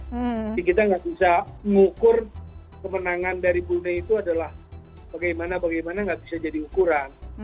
jadi kita nggak bisa mengukur kemenangan dari brunei itu adalah bagaimana bagaimana nggak bisa jadi ukuran